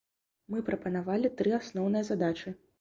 Мы прапанавалі тры асноўныя задачы.